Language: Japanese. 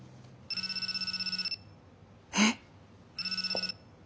えっ！